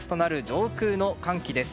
上空の寒気です。